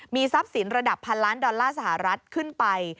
ทรัพย์สินระดับพันล้านดอลลาร์สหรัฐขึ้นไป